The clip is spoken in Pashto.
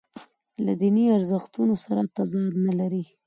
له دیني ارزښتونو سره تضاد نه لري.